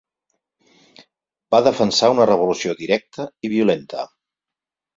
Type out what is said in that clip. Va defensar una revolució directa i violenta.